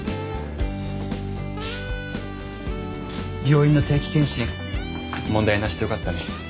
病院の定期健診問題なしでよかったね。